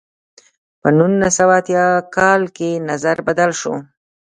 په نولس سوه اتیا کال کې نظر بدل شو.